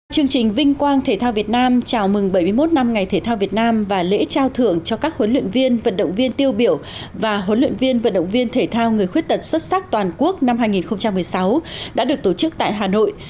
chương trình vinh quang thể thao việt nam chào mừng bảy mươi một năm ngày thể thao việt nam và lễ trao thưởng cho các huấn luyện viên vận động viên tiêu biểu và huấn luyện viên vận động viên thể thao người khuyết tật xuất sắc toàn quốc năm hai nghìn một mươi sáu đã được tổ chức tại hà nội